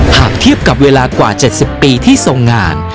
หากเทียบกับเวลากว่า๗๐ปีที่ทรงงาน